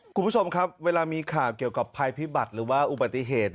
คุณผู้ชมครับเวลามีข่าวเกี่ยวกับภัยพิบัติหรือว่าอุบัติเหตุ